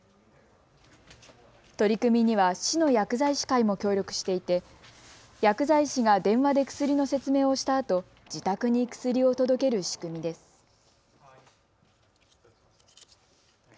取り組みには市の薬剤師会も協力していて薬剤師が電話で薬の説明をしたあと自宅に薬を届ける仕組みです。